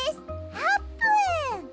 あーぷん！